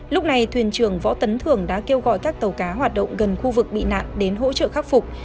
lúc này thuyền trưởng võ tấn thường đã kêu gọi các tàu cá hoạt động gần khu vực bị nạn đến hỗ trợ khắc phục